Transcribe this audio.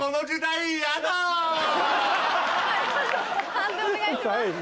判定お願いします。